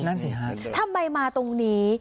นั่นสิฮะทำไมมาตรงนี้